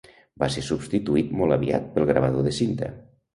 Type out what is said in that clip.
Va ser substituït molt aviat pel gravador de cinta.